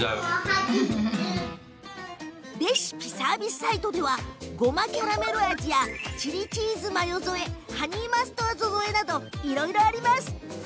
レシピサービスサイトではごまキャラメル味やチリチーズマヨ添えハニーマスタード添えなどいろいろあります。